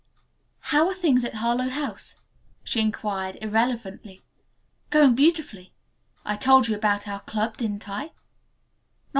"How are things at Harlowe House?" she inquired irrelevantly. "Going beautifully. I told you about our club didn't I?"